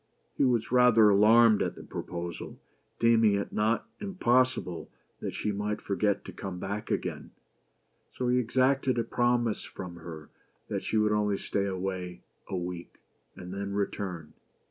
He was rather alarmed at the proposal, deeming it not impossible that she might forget to come back again ; so he exacted a promise from her that she would only stay away a week, and then return.